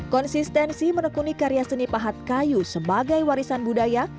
konsistensi menekuni karya seni pahat kayu sebagai warisan budaya